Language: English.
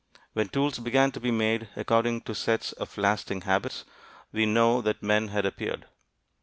When tools began to be made according to sets of lasting habits, we know that men had appeared.